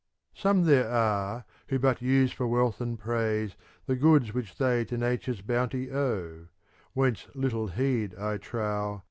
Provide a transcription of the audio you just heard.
Some are there who but use for wealth and praise "* The goods which they to Nature's bounty owe; Whence little heed, I trow.